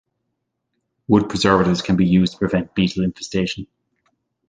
Wood preservatives can be used to prevent beetle infestation.